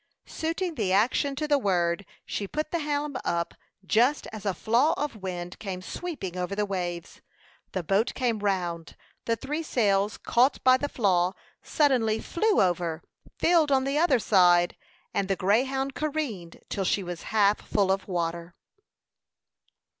Suiting the action to the word, she put the helm up just as a flaw of wind came sweeping over the waves. The boat came round; the three sails, caught by the flaw, suddenly flew over, filled on the other side, and the Greyhound careened till she was half full of water.